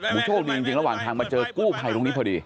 โอ้โหโชคดีจริงระหว่างทางมาเจอกู้ภัยตรงนี้พอดี